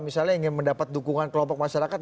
misalnya ingin mendapat dukungan kelompok masyarakat